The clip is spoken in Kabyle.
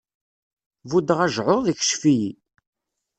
Buddeɣ ajɛuḍ, ikcef-iyi.